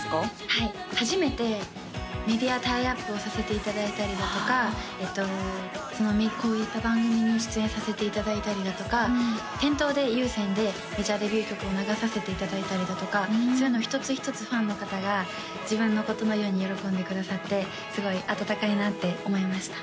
はい初めてメディアタイアップをさせていただいたりだとかこういった番組に出演させていただいたりだとか店頭で有線でメジャーデビュー曲を流させていただいたりだとかそういうの一つ一つファンの方が自分のことのように喜んでくださってすごい温かいなって思いました